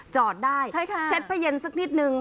จอดได้เช็ดผ้าเย็นสักนิดนึง